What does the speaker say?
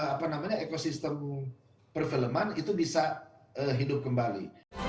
apa namanya ekosistem perfilman itu bisa hidup kembali